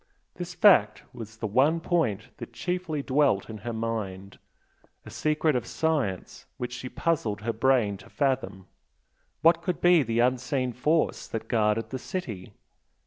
This fact was the one point that chiefly dwelt in her mind a secret of science which she puzzled her brain to fathom. What could be the unseen force that guarded the city?